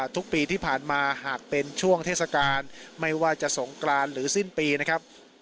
ทุกปีที่ผ่านมาหากเป็นช่วงเทศกาลไม่ว่าจะสงกรานหรือสิ้นปีนะครับ